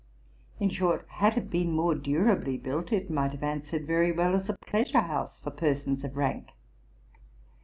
In short, had it been more durably built, it might have answered very well as a pleasure house for persons of rank.